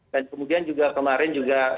dan kemudian juga kemarin juga